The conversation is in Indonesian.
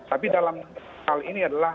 tapi dalam hal ini adalah